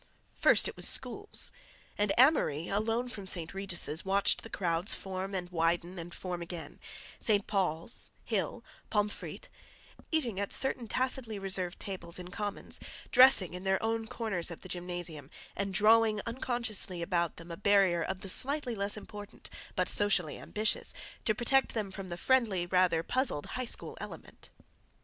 First it was schools, and Amory, alone from St. Regis', watched the crowds form and widen and form again; St. Paul's, Hill, Pomfret, eating at certain tacitly reserved tables in Commons, dressing in their own corners of the gymnasium, and drawing unconsciously about them a barrier of the slightly less important but socially ambitious to protect them from the friendly, rather puzzled high school element.